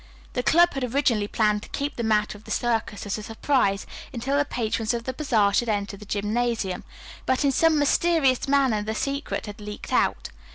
The club had originally planned to keep the matter of the circus as a surprise until the patrons of the bazaar should enter the gymnasium, but in some mysterious manner the secret had leaked out.